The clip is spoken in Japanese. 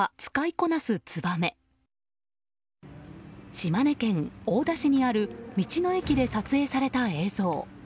島根県大田市にある道の駅で撮影された映像。